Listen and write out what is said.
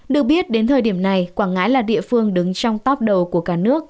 được biết đến thời điểm này quảng ngãi là địa phương đứng trong top đầu của cả nước